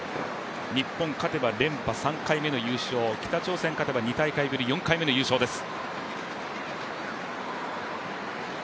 日本勝てば３回目の優勝、北朝鮮が勝てば２大会ぶり、４回目の優勝です。